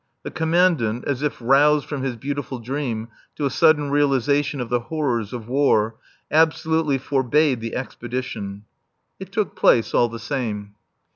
The Commandant, as if roused from his beautiful dream to a sudden realization of the horrors of war, absolutely forbade the expedition. It took place all the same.